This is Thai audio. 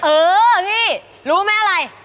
เออพี่รู้ไหมอะไร